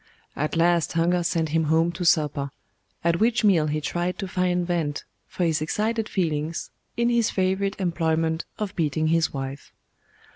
At last hunger sent him home to supper; at which meal he tried to find vent for his excited feelings in his favourite employment of beating his wife.